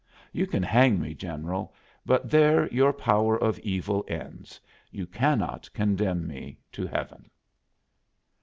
You can hang me, General, but there your power of evil ends; you cannot condemn me to heaven."